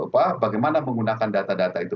bagaimana menggunakan data data itu